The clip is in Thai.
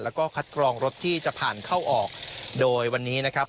แล้วก็คัดกรองรถที่จะผ่านเข้าออกโดยวันนี้นะครับ